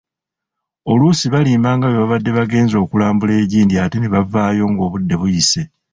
Oluusi balimba nga bwe babadde bagenze okulambula egindi ate nebavaayo ng'obudde buyise.